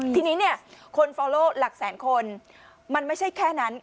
ทีนี้เนี่ยคนฟอลโลหลักแสนคนมันไม่ใช่แค่นั้น